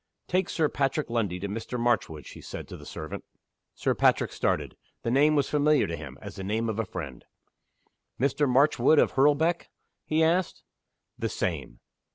"Take Sir Patrick Lundie to Mr. Marchwood," she said to the servant. Sir Patrick started. The name was familiar to him, as the name of a friend. "Mr. Marchwood of Hurlbeck?" he asked. "The same."